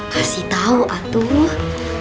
kasih tau atuh